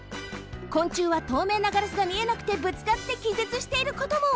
昆虫はとうめいなガラスが見えなくてぶつかってきぜつしていることも！